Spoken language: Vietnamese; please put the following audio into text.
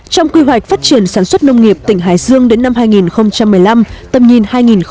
trong quy hoạch phát triển sản xuất nông nghiệp tỉnh hải dương đến năm hai nghìn một mươi năm tầm nhìn hai nghìn hai mươi